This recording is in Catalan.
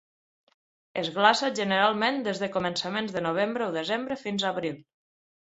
Es glaça generalment des de començaments de novembre o desembre fins a abril.